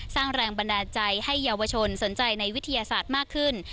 สร้างแรงบันดาลใจให้เยาวชนสนใจในวิทยาศาสตร์มากขึ้น